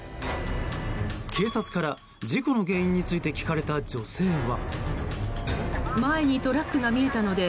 警察から事故の原因について聞かれた女性は。